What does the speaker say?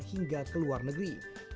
hingga ke luar negeri